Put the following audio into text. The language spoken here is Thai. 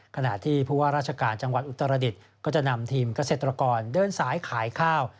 ขณะที่ผู้ว่าราชการจังหวัดอุตรดิษฐ์ก็จะนำทีมเกษตรกรเดินสายขายข้าว